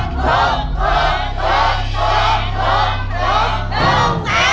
ถูก